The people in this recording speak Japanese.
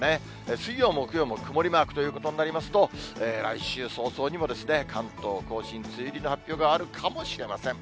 水曜、木曜も曇りマークということになりますと、来週早々にも関東甲信、梅雨入りの発表があるかもしれません。